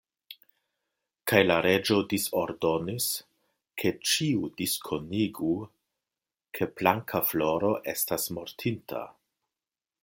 Kaj la reĝo disordonis, ke ĉiu diskonigu, ke Blankafloro estas mortinta.